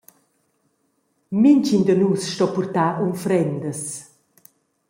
Mintgin da nus sto purtar unfrendas.